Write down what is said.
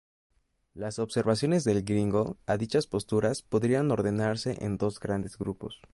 Las observaciones del "Gringo" a dichas posturas podrían ordenarse en dos grandes grupos.